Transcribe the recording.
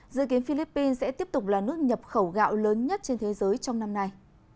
dự kiến philippines sẽ tiếp tục là nước nhập khẩu gạo lớn nhất trên thế giới trong năm nay